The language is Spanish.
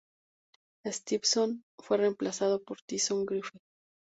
Stevenson fue reemplazado por Tyson Griffin.